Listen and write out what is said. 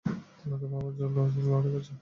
আমাকে পাবার জন্য লড়াই করছে।